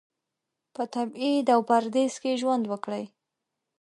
په تبعید او پردیس کې ژوند وکړي.